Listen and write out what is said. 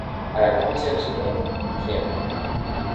À la quarantième seconde, rien.